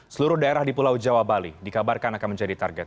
seluruh daerah di pulau jawa bali dikabarkan akan menjadi target